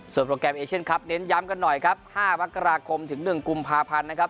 โปรแกรมเอเชียนครับเน้นย้ำกันหน่อยครับ๕มกราคมถึง๑กุมภาพันธ์นะครับ